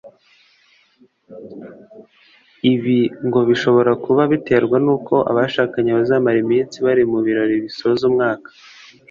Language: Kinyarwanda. Ibi ngo bishobora kuba biterwa n’uko abashakanye bamara iminsi bari mu birori bisoza umwaka